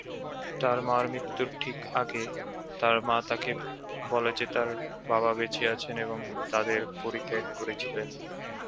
তার মার মৃত্যুর ঠিক আগে, তার মা তাকে বলে যে তার বাবা বেঁচে আছেন এবং তাদের পরিত্যাগ করেছিলেন।